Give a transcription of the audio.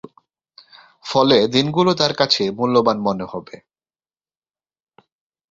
ফলে দিনগুলো তার কাছে মূল্যবান মনে হবে।